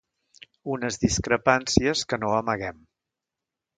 Unes discrepàncies que no amaguem.